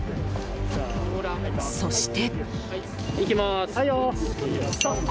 そして。